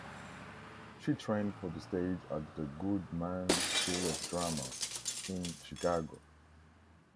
She trained for the stage at the Goodman School of Drama, in Chicago.